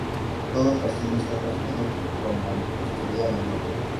Todo el castillo está construido con mampostería menuda.